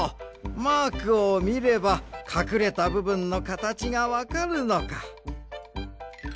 マークをみればかくれたぶぶんのかたちがわかるのか。